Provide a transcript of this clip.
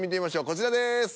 こちらです。